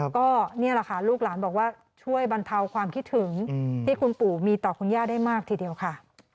ก็นี่แหละค่ะลูกหลานบอกว่าช่วยบรรเทาความคิดถึงที่คุณปู่มีต่อคุณย่าได้มากทีเดียวค่ะ